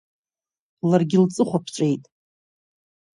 Ларгьы лҵыхәа ԥҵәеит.